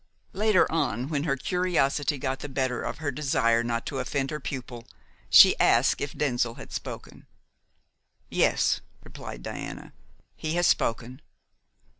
Later on, when her curiosity got the better of her desire not to offend her pupil, she asked if Denzil had spoken. "Yes," replied Diana, "he has spoken."